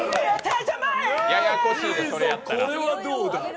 これはどうだ！